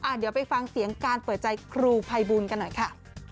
เดี๋ยวไปฟังเสียงการเปิดใจครูภัยบูลกันหน่อยค่ะ